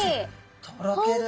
とろける。